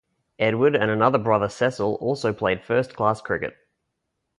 Edward and another brother Cecil also played first-class cricket.